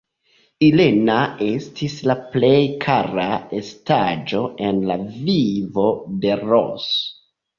Irena estis la plej kara estaĵo en la vivo de Ros.